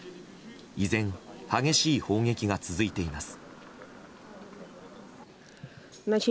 依然、激しい砲撃が続いています。